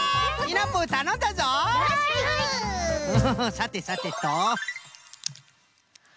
さてさてと。